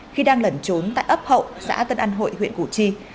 khi đang lẩn trốn tại ấp hậu xã tân an hội huyện củ chi